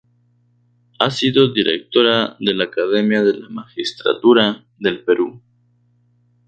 Ha sido directora de la Academia de la Magistratura del Perú.